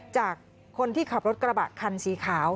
จากคนที่ขับรถกระบะคันสีขาว